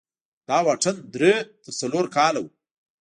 دا واټن درې تر څلور کاله و.